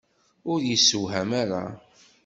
Ur yessewham ara!